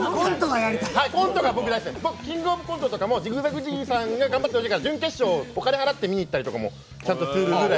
「キングオブコント」とかもジグザグジギーさんが頑張ってたのでお金払って見に行ったりとかもちゃんとするぐらい。